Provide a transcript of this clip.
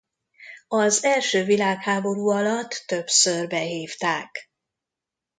Az első világháború alatt többször behívták.